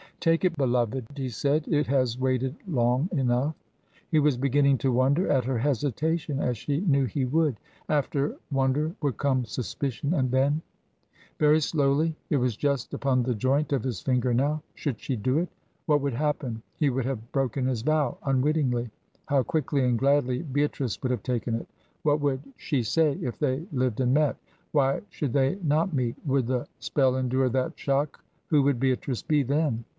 "Take it, beloved," he said. "It has waited long enough." He was beginning to wonder at her hesitation as she knew he would. After wonder would come suspicion and then? Very slowly it was just upon the joint of his finger now. Should she do it? What would happen? He would have broken his vow unwittingly. How quickly and gladly Beatrice would have taken it. What would she say, if they lived and met why should they not meet? Would the spell endure that shock who would Beatrice be then?